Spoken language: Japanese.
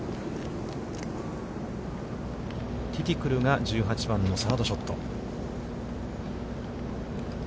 ティティクルが、１８番のサードショット。